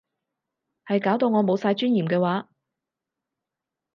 係搞到我冇晒尊嚴嘅話